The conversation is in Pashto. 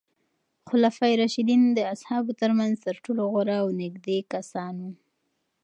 خلفای راشدین د اصحابو ترمنځ تر ټولو غوره او نږدې کسان وو.